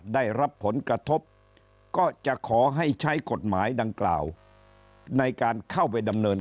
ได้รับผลกระทบก็จะขอให้ใช้กฎหมายดังกล่าวในการเข้าไปดำเนิน